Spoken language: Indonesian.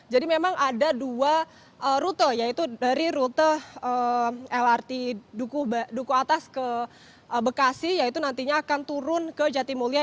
jadi memang ada dua rute yaitu dari rute lrt duku atas ke bekasi yaitu nantinya akan turun ke jatimulia